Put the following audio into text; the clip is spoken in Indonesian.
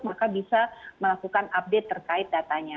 maka bisa melakukan update terkait datanya